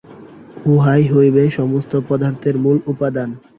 উহাই হইবে সমস্ত পদার্থের মূল উপাদান।